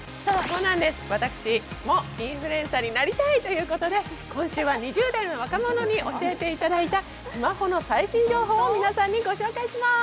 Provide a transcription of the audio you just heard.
私もインフルエンサーになりたいということで今週は２０代の若者に教えていただいたスマホの最新情報を皆さんにご紹介します。